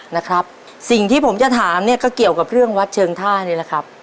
นะครับสิ่งที่ผมจะถามเนี่ยก็เกี่ยวกับเรื่องวัดเชิงท่านี่แหละครับ